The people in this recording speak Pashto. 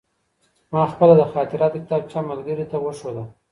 ما خپله د خاطراتو کتابچه ملګري ته وښوده.